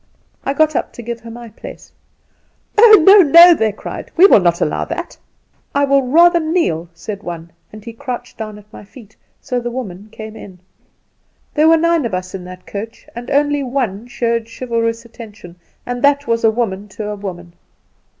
"I got up to give her my place. "'Oh, no, no!' they cried, 'we will not allow that.' "'I will rather kneel,' said one, and he crouched down at my feet; so the woman came in. "There were nine of us in that coach, and only one showed chivalrous attention and that was a woman to a woman.